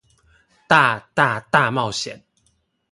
大、大、大冒險